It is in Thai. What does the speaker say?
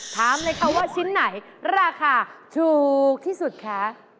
ถามเลยค่ะว่าชิ้นไหนราคาถูกที่สุดคะ